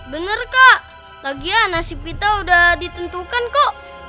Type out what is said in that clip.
bener kak lagian nasib kita udah ditentukan kok